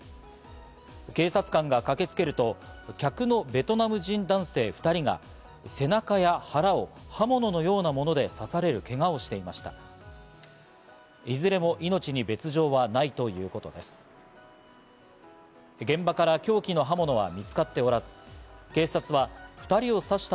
警察官が駆けつけると、客のベトナム人男性２人が背中や腹を刃物のようなもので刺されるけがをしていました。